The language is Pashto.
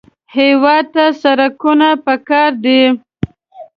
هېواد ته سړکونه پکار دي